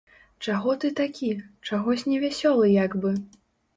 Чаго ты такі, чагось невясёлы як бы?